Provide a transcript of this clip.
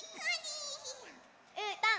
うーたん